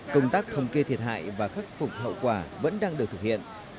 công tác thống kê thiệt hại và khắc phục hậu quả vẫn đang được thực hiện